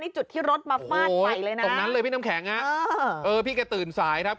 จุดที่รถมาฟาดใส่เลยนะตรงนั้นเลยพี่น้ำแข็งฮะเออพี่แกตื่นสายครับ